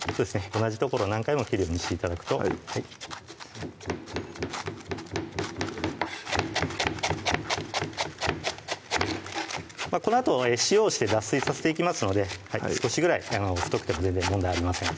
同じ所何回も切るようにして頂くとこのあと塩をして脱水させていきますので少しぐらい太くても全然問題ありません